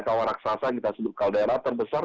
kawarassasa kita sebut kaldera terbesar